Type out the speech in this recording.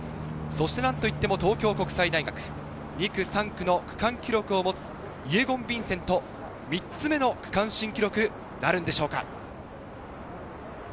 何と言っても東京国際大学、２区と３区の区間記録を持つイェゴン・ヴィンセント、３つ目の区間新記録なるんでしょうか。